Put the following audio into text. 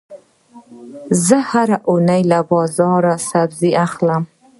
زه هره اونۍ له بازار نه سبزي اخلم.